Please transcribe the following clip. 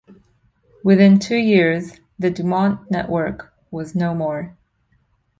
Within two years, the DuMont network was no more.